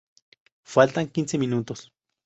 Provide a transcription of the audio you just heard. Faltan quince minutos.